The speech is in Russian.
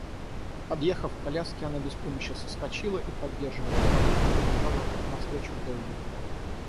Подъехав к коляске, она без помощи соскочила и, поддерживая амазонку, подбежала навстречу Долли.